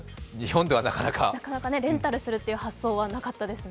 レンタルするという発想はなかったですね。